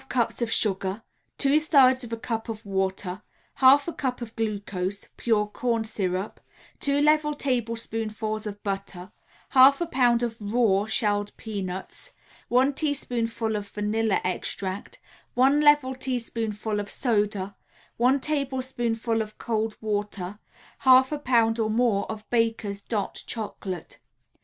] 1 1/2 cups of sugar, 2/3 a cup of water, 1/2 a cup of glucose (pure corn syrup), 2 level tablespoonfuls of butter, 1/2 a pound of raw shelled peanuts, 1 teaspoonful of vanilla extract, 1 level teaspoonful of soda, 1 tablespoonful of cold water, 1/2 a pound or more of Baker's "Dot" Chocolate.